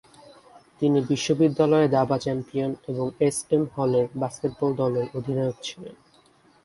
তিনি বিশ্ববিদ্যালয়ে দাবা চ্যাম্পিয়ন এবং এস এম হলের বাস্কেটবল দলের অধিনায়ক ছিলেন।